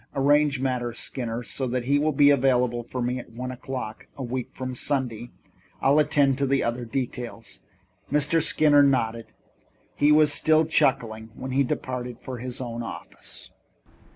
Arrange matters, Skinner, so that he will be available for me at one o'clock, a week from Sunday. I'll attend to the other details." Mr. Skinner nodded. He was still chuckling when he departed for his own office.